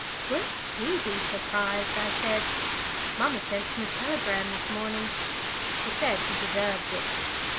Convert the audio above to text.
"Won't he be surprised!" I said. "Mamma sent him a telegram this morning," she said. "He deserved it."